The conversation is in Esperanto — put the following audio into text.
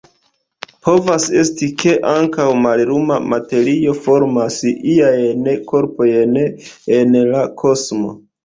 Povas esti, ke ankaŭ malluma materio formas iajn korpojn en la kosmo.